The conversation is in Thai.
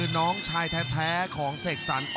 น้องชายแท้ของเสกสรร